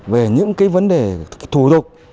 về những vấn đề thủ thuộc